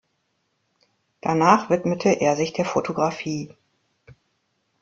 Danach widmete er sich der Fotografie.